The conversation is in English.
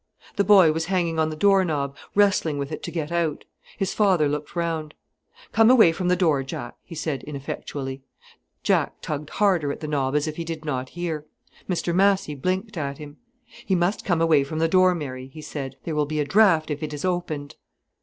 The boy was hanging on the door knob, wrestling with it to get out. His father looked round. "Come away from the door, Jack," he said, ineffectually. Jack tugged harder at the knob as if he did not hear. Mr Massy blinked at him. "He must come away from the door, Mary," he said. "There will be a draught if it is opened."